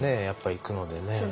やっぱり行くのでね。